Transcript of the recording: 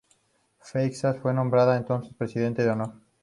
Freixas fue nombrada entonces presidenta de honor.